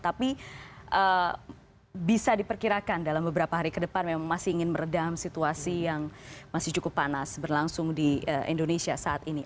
tapi bisa diperkirakan dalam beberapa hari ke depan memang masih ingin meredam situasi yang masih cukup panas berlangsung di indonesia saat ini